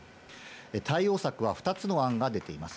対応策は２つの案が出ています。